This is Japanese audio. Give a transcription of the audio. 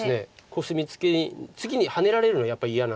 コスミツケに次にハネられるのやっぱり嫌なんで。